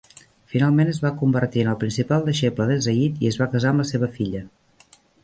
Finalment es va convertir en el principal deixeble de Zahid i es va casar amb la seva filla.